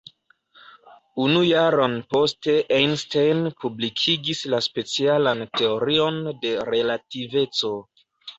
Unu jaron poste Einstein publikigis la specialan teorion de relativeco.